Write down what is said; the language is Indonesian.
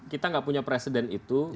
kita nggak punya presiden itu